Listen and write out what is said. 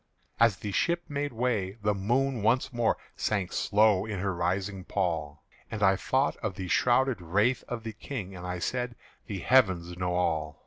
As the ship made way, the moon once more Sank slow in her rising pall; And I thought of the shrouded wraith of the King, And I said, "The Heavens know all."